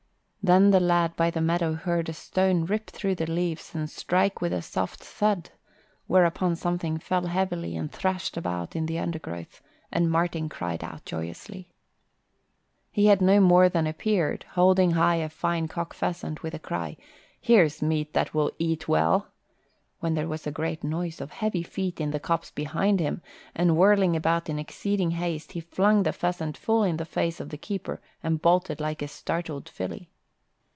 Then the lad by the meadow heard a stone rip through the leaves and strike with a soft thud, whereupon something fell heavily and thrashed about in the undergrowth, and Martin cried out joyously. He had no more than appeared, holding high a fine cock pheasant, with the cry, "Here's meat that will eat well," when there was a great noise of heavy feet in the copse behind him, and whirling about in exceeding haste, he flung the pheasant full in the face of the keeper and bolted like a startled filly.